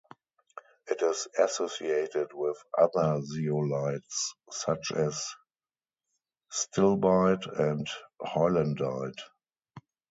It is associated with other zeolites such as stilbite and heulandite.